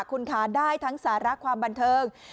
คุณคะได้ทั้งสาระความบันเทิง